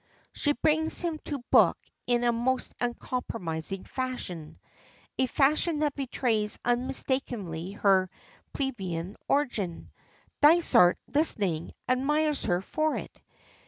She brings him to book in a most uncompromising fashion; a fashion that betrays unmistakably her plebeian origin. Dysart, listening, admires her for it.